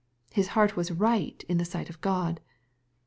His heart was right in the sight of God.